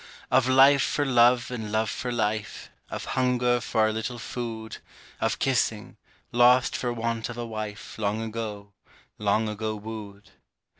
Of life for love and love for life, Of hunger for a little food, Of kissing, lost for want of a wife Long ago, long ago wooed.